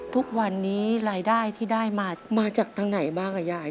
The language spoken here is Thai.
ทุกวันนี้รายได้ที่ได้มามาจากทางไหนบ้างอ่ะยาย